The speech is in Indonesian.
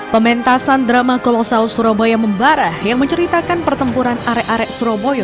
pementasan drama kolosal surabaya membarah yang menceritakan pertempuran arek arek surabaya